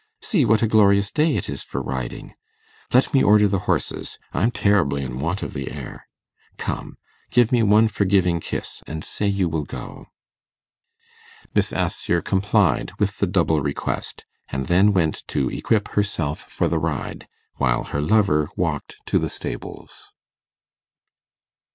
See what a glorious day it is for riding. Let me order the horses. I'm terribly in want of the air. Come, give me one forgiving kiss, and say you will go.' Miss Assher complied with the double request, and then went to equip herself for the ride, while her lover walked to the stables.